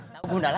tau gundala gak